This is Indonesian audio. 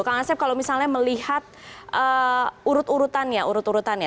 kang asep kalau misalnya melihat urut urutannya